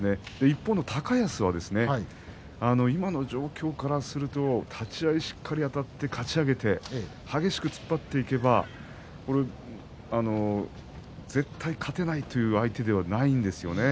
一方の高安は今の状況からすると立ち合い、しっかりあたってかち上げて激しく突っ張っていけば絶対勝てないという相手ではないんですよね。